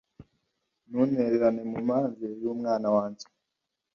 ntuntererane mu manjwe y'umunwa wanjye